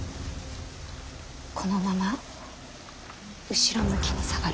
このまま後ろ向きに下がる。